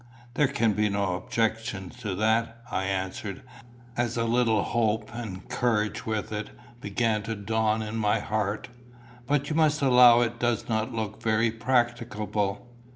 "There can be no objection to that," I answered, as a little hope, and courage with it, began to dawn in my heart. "But you must allow it does not look very practicable."